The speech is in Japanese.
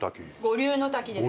五竜の滝です。